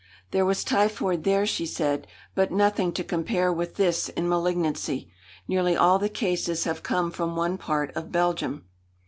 "There was typhoid there," she said, "but nothing to compare with this in malignancy. Nearly all the cases have come from one part of Belgium."